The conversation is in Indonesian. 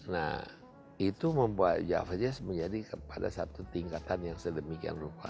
nah itu membuat java jazz menjadi pada satu tingkatan yang sedemikian rupa